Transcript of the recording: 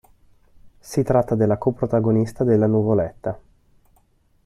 Si tratta della co-protagonista della nuvoletta.